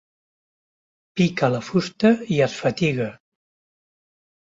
Pica la fusta i es fatiga.